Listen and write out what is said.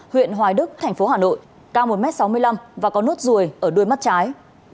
huyện hoài đức thành phố hà nội cao một m sáu mươi năm và có nốt ruồi ở đuôi mắt trái